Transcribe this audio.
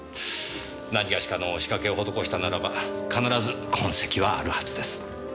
なにがしかの仕掛けを施したならば必ず痕跡はあるはずです。